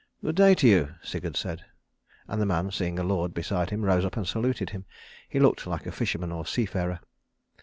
"Good day to you," Sigurd said, and the man, seeing a lord beside him, rose up and saluted him. He looked like a fisherman or seafarer.